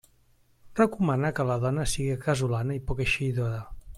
Recomana que la dona siga casolana i poc eixidora.